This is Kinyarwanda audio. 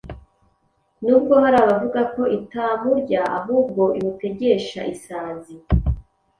nubwo hari abavuga ko itamurya ahubwo imutegesha isazi